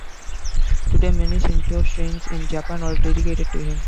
Today many Shinto shrines in Japan are dedicated to him.